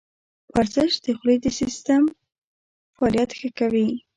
ورزش د خولې د سیستم فعالیت ښه کوي.